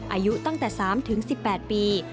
อายุตั้งแต่๓๑๘ปี